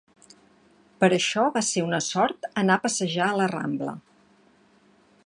Per això va ser una sort anar a passejar a la Rambla.